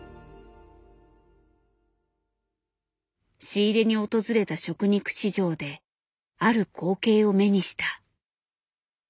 仕入れに訪れた食肉市場である光景を目にした。